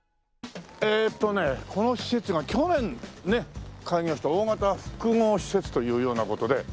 この施設が去年ね開業した大型複合施設というような事で。